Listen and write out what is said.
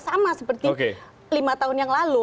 sama seperti lima tahun yang lalu